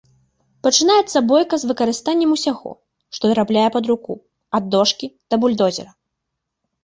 Пачынаецца бойка з выкарыстаннем усяго, што трапляе пад руку, ад дошкі да бульдозера.